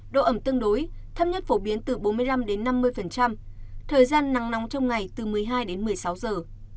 độ ẩm tương đối thấp nhất phổ biến từ bốn mươi năm năm mươi thời gian nắng nóng trong ngày từ một mươi hai đến một mươi sáu giờ